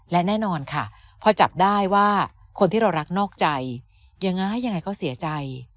และแน่นอนค่ะพอจับได้ว่าคนที่เรารักนอกใจยังไงยังไงเขาเสียใจ